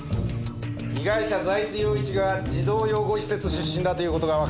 被害者財津陽一が児童養護施設出身だという事がわかった。